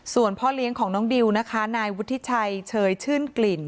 ส่วนพ่อเลี้ยงของน้องดิวนะคะนายวุฒิชัยเชยชื่นกลิ่น